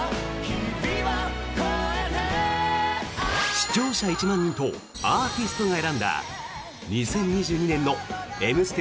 視聴者１万人とアーティストが選んだ２０２２年の「Ｍステ」